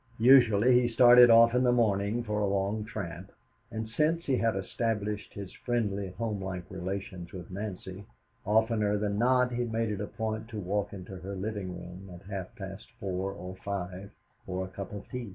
Usually he started off in the morning for a long tramp, and since he had established his friendly, homelike relations with Nancy, oftener than not he made it a point to walk into her living room at half past four or five for a cup of tea.